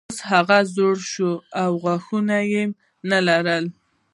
اوس هغه زوړ شوی و او غاښونه یې نه لرل.